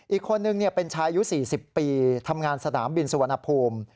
อีกคนนึงเป็นชายอายุ๔๐ปีทำงานสนามบินสุวรรณภูมิ